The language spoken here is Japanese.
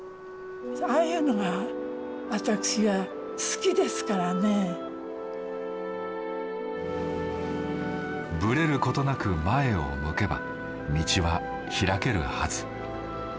みんな何かこうブレることなく前を向けば道は開けるはず。